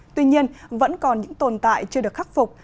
tuy nhiên vẫn còn những tồn tại chưa được khắc phục